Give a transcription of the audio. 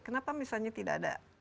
kenapa misalnya tidak ada